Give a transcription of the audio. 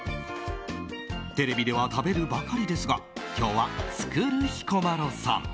テレビでは食べるばかりですが今日は、作る彦摩呂さん。